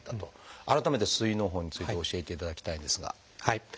改めて膵のう胞について教えていただきたいんですが。